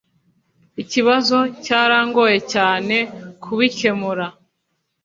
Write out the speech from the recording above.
Ikibazo cyarangoye cyane kubikemura.